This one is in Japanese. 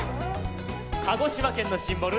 鹿児島県のシンボル